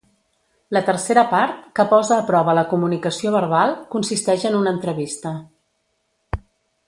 La tercera part, que posa a prova la comunicació verbal, consisteix en una entrevista.